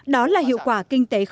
đó là hiệu quả kinh tế